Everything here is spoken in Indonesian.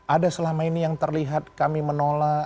ada selama ini yang terlihat kami menolak